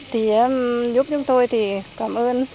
thì giúp chúng tôi thì cảm ơn